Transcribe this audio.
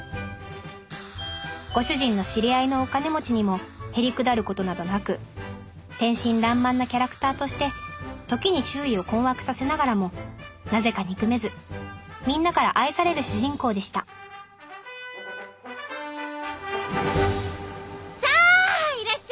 ご主人の知り合いのお金持ちにもへりくだることなどなく天真爛漫なキャラクターとして時に周囲を困惑させながらもなぜか憎めずみんなから愛される主人公でしたさあいらっしゃいいらっしゃい。